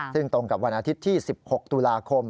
ซึ่งตรงกับวันอาทิตย์ที่๑๖ตุลาคม